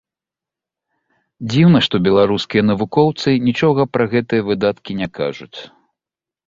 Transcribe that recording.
Дзіўна, што беларускія навукоўцы нічога пра гэтыя выдаткі не кажуць.